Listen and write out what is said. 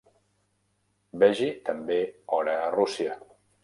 Vegi també Hora a Rússia.